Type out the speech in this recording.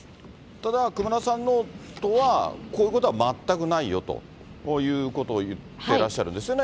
ただ、熊田さんの夫は、こういうことは全くないよということを言ってらっしゃるんですよね。